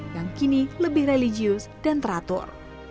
yang kini lebih religius dan teratur